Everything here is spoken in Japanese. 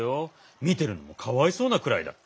見てるのもかわいそうなくらいだった。